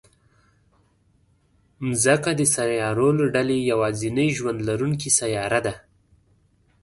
مځکه د سیارو له ډلې یوازینۍ ژوند لرونکې سیاره ده.